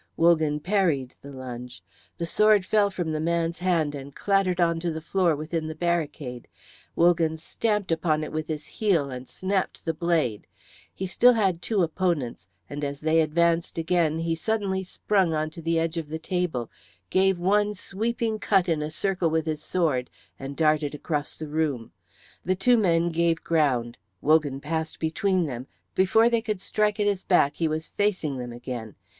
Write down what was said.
Wogan parried the lunge; the sword fell from the man's hand and clattered onto the floor within the barricade. Wogan stamped upon it with his heel and snapped the blade. He had still two opponents; and as they advanced again he suddenly sprung onto the edge of the table, gave one sweeping cut in a circle with his sword, and darted across the room. The two men gave ground; Wogan passed between them. Before they could strike at his back he was facing them again.